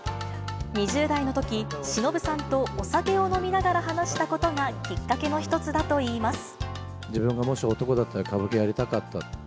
２０代のとき、しのぶさんとお酒を飲みながら話したことがきっかけの一つだとい自分がもし男だったら歌舞伎やりたかった。